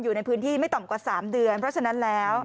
อยู่ในพื้นที่ไม่ต่ำกว่า๓เดือนเพราะฉะนั้นแล้ว